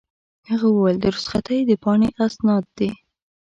هغه وویل: د رخصتۍ د پاڼې اسناد دي.